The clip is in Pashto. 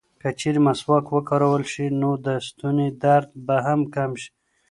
که چېرې مسواک وکارول شي، نو د ستوني درد به هم کم شي.